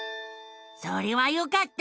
それはよかった！